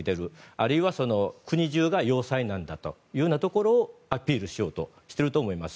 あるいは国中が要塞なんだというようなところをアピールしようとしていると思います。